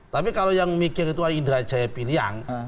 tapi kalau yang mikir itu indra jaya piliang